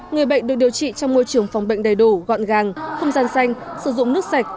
người bệnh được điều trị trong môi trường phòng bệnh đầy đủ gọn gàng không gian xanh sử dụng nước sạch